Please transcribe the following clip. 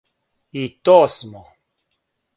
И то смо.